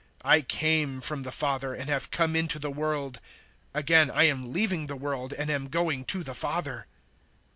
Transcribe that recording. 016:028 I came from the Father and have come into the world. Again I am leaving the world and am going to the Father."